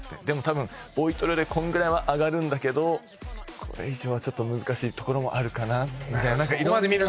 でもたぶんボイトレでこんくらいは上がるんだけどこれ以上はちょっと難しいところもあるかなみたいな。